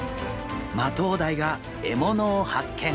マトウダイが獲物を発見！